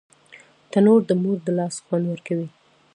تنور د مور د لاس خوند ورکوي